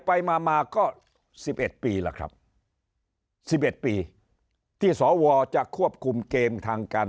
ไปมามาก็๑๑ปีแล้วครับ๑๑ปีที่สวจะควบคุมเกมทางการ